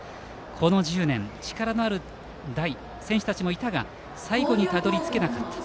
この１０年、力のある代力のある選手もいたが最後にたどり着けなかった。